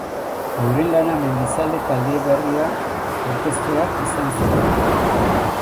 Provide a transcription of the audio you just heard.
Euren lana mendizale taldeberria aurkeztea izan zen.